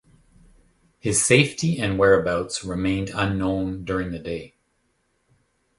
His safety and whereabouts remained unknown during the day.